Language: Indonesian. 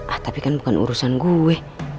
ah tapi kan bukan urusan gue